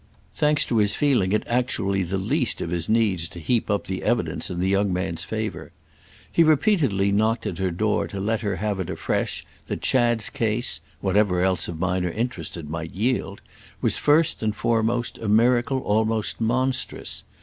—thanks to his feeling it actually the least of his needs to heap up the evidence in the young man's favour. He repeatedly knocked at her door to let her have it afresh that Chad's case—whatever else of minor interest it might yield—was first and foremost a miracle almost monstrous.